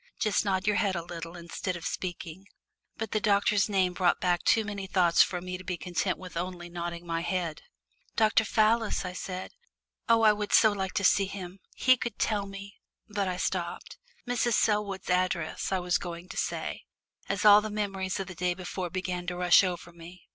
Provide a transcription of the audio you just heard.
Just nod your head a little, instead of speaking." But the doctor's name brought back too many thoughts for me to be content with only nodding my head. "Dr. Fallis," I said. "Oh, I would so like to see him. He could tell me " but I stopped. "Mrs. Selwood's address" I was going to say, as all the memories of the day before began to rush over me.